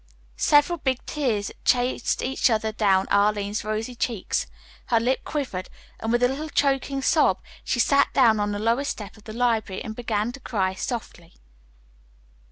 Several big tears chased each other down Arline's rosy cheeks. Her lip quivered, and with a little, choking sob she sat down on the lowest step of the library and began to cry softly.